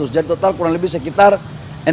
jadi total kurang lebih sekitar rp enam